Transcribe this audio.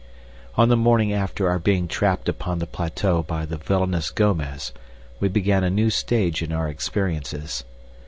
On the morning after our being trapped upon the plateau by the villainous Gomez we began a new stage in our experiences.